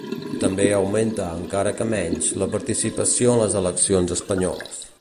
També augmenta, encara que menys, la participació en les eleccions espanyoles.